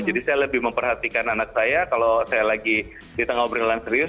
jadi saya lebih memperhatikan anak saya kalau saya lagi di tengah ngobrolan serius